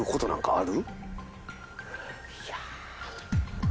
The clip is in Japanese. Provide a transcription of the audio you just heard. ある？